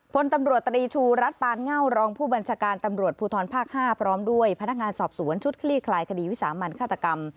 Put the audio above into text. พลตำรวจตรีชูรัฐปานเง่ารองผู้บัญชาการตำรวจภูทรภาค๕พร้อมด้วยพนักงานสอบสวนชุดคลี่คลายคดีวิสามันฆาตกรรม